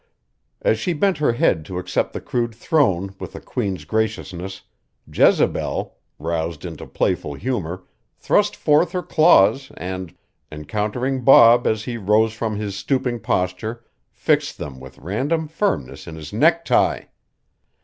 As she bent her head to accept the crude throne with a queen's graciousness, Jezebel, roused into playful humor, thrust forth her claws and, encountering Bob as he rose from his stooping posture, fixed them with random firmness in his necktie.